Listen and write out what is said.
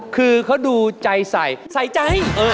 คือเขาดูใจใส่ใส่ใจ